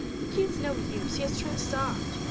"He is no use, he has turned soft.